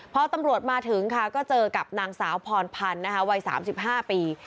พอตำรวจมาถึงค่ะก็เจอกับนางสาวพรพันธ์นะคะวัย๓๕ปี